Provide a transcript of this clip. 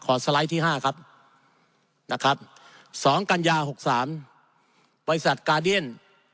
สไลด์ที่๕ครับนะครับ๒กัญญา๖๓บริษัทกาเดียน